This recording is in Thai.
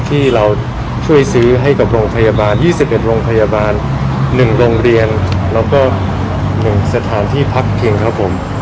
ที่เราช่วยซื้อให้กับโรงพยาบาล๒๑โรงพยาบาล๑โรงเรียนแล้วก็๑สถานที่พักพิงครับผม